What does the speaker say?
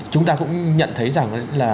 chúng ta cũng nhận thấy rằng